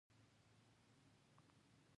ایا زه باید خولۍ په سر کړم؟